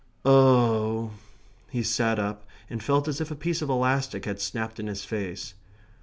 "Oh h h h!" He sat up, and felt as if a piece of elastic had snapped in his face.